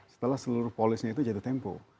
setelah seluruh polisnya itu jatuh tempo